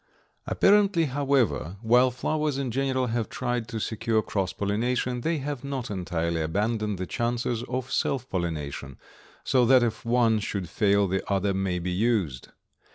Apparently, however, while flowers in general have tried to secure cross pollination, they have not entirely abandoned the chances of self pollination, so that if one should fail the other may be used.